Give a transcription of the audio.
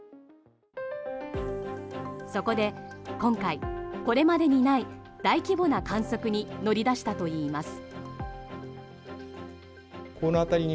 そこで今回、これまでにない大規模な観測に乗り出したといいます。